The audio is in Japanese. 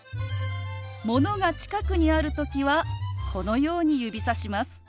ものが近くにある時はこのように指さします。